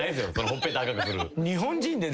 ほっぺた赤くする。